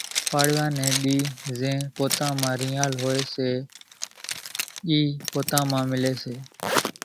پاڙوا ني ۮي زين پوتا مان رينۿال ھوئي سي اِي پوتا مان ملي سي